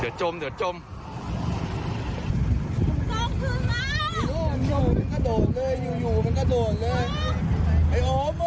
โอ้มมาหาแม่